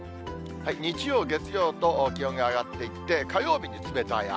日曜、月曜と気温が上がっていって、火曜日に冷たい雨。